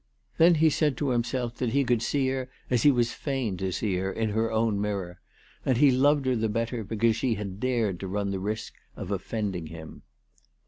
Then he said to himself that he could see her as he was fain to see her, in her own mirror, and he loved her the better because she had dared to run the risk of offending him.